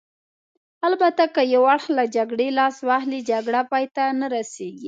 البته که یو اړخ له جګړې لاس واخلي، جګړه پای ته نه رسېږي.